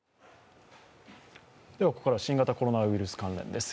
ここからは新型コロナウイルス関連です。